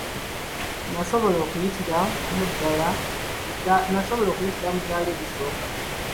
Nasobola okuyitira mu ddaala erisooka.